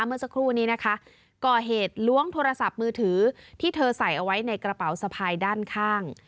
เมื่อสักครู่นี้นะคะก่อเหตุล้วงโทรศัพท์มือถือที่เธอใส่เอาไว้ในกระเป๋าสะพายด้านข้าง